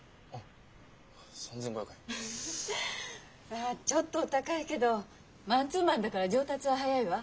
まあちょっとお高いけどマンツーマンだから上達は早いわ。